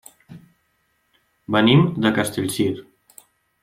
Venim de Castellcir.